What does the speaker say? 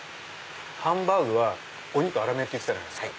ハンバーグはお肉粗めって言ってたじゃないですか。